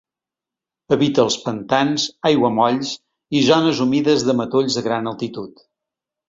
Habita als pantans, aiguamolls i zones humides de matolls de gran altitud.